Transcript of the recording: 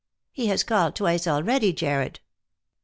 " He has called twice already, Jarred."